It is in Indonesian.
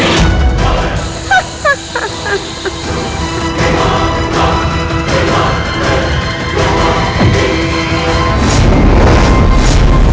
rancang tangan optimism baru saja